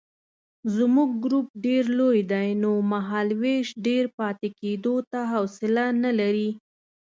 زموږ ګروپ ډېر لوی دی نو مهالوېش ډېر پاتې کېدو ته حوصله نه لري.